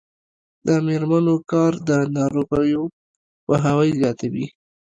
د میرمنو کار د ناروغیو پوهاوی زیاتوي.